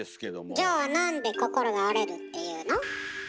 じゃあなんで心が折れるって言うの？